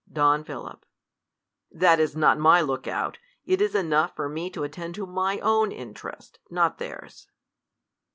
Don P. That is not my look out. It is enough for me to attend to my own interest, not theirs.